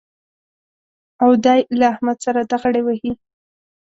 او دی له احمد سره ډغرې وهي